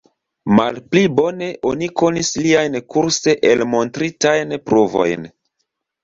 Malpli bone oni konis liajn kurse elmontritajn pruvojn.